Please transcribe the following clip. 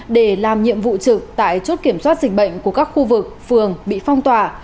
để làm nhiệm vụ trực tại chốt kiểm soát dịch bệnh của các khu vực phường bị phong tỏa